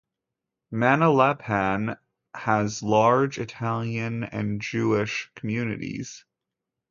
Manalapan has large Italian and Jewish communities.